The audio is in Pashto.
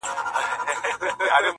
اوس مي د زړه كورگى تياره غوندي دى’